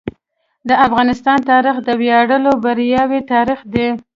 د افغانستان تاریخ د ویاړلو بریاوو تاریخ دی.